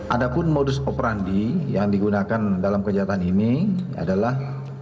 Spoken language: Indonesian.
ada pun modus operandi yang digunakan dalam kejahatan ini adalah